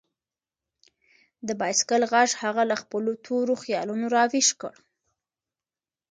د بایسکل غږ هغه له خپلو تورو خیالونو راویښ کړ.